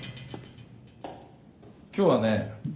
今日はね